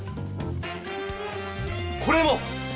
これも！